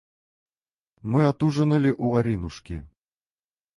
Мы отужинали у Аринушки.